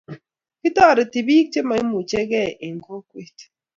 Kitoriti biik che maimuchi gei eng' kokwet